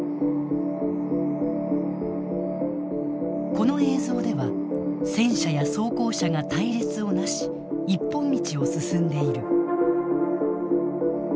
この映像では戦車や装甲車が隊列をなし一本道を進んでいる。